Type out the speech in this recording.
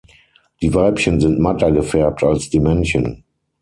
Die Weibchen sind matter gefärbt als die Männchen.